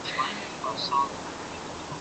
صالحه ميرمن حسنه اخلاق لري.